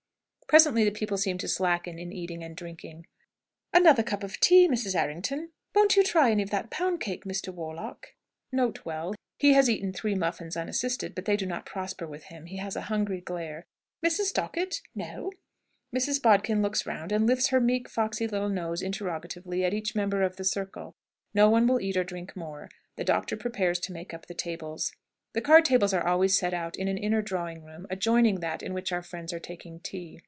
Presently the people seem to slacken in eating and drinking. "Another cup of tea, Mrs. Errington? Won't you try any of that pound cake, Mr. Warlock?" (N.B. He has eaten three muffins unassisted; but they do not prosper with him. He has a hungry glare.) "Mrs. Dockett? No?" Mrs. Bodkin looks round, and lifts her meek, foxy little nose interrogatively at each member of the circle. No one will eat or drink more. The doctor prepares to make up the tables. The card tables are always set out in an inner drawing room, adjoining that in which our friends are taking tea.